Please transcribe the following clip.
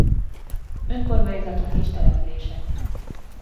Önkormányzatok és települések